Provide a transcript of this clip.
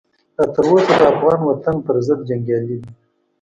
لا تر اوسه د افغان وطن پرضد جنګیالي دي.